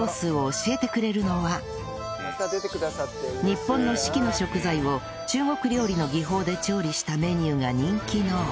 日本の四季の食材を中国料理の技法で調理したメニューが人気の